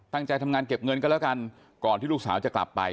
ตั้งใจทำงานเก็บเงินก็แล้วกันก่อนที่ลูกสาวจะกลับไป